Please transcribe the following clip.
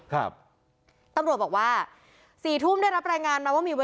คับตามรวบบอกว่า๘ทุ่มได้รับแรงงานมาว่ามีวัยรุ่น